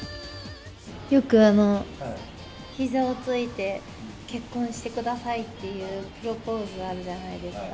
よくひざをついて、結婚してくださいっていうプロポーズあるじゃないですか。